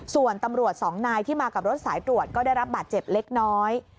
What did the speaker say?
ส่วนตำรวจสองนายที่มากับรถสายตรวจก็ได้รับบาดเจ็บเล็กน้อย